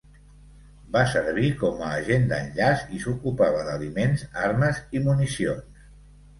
Va servir com a agent d'enllaç i s'ocupava d'aliments, armes i municions.